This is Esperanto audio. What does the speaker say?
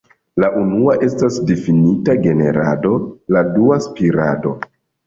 La unua estas difinita "generado", la dua "spirado".